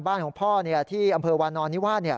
บ้านของพ่อที่อำเภอวานอนนิวาส